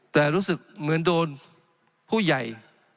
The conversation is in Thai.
แต่รู้สึกเหมือนโดนผู้ใหญ่